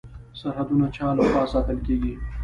سرحدونه چا لخوا ساتل کیږي؟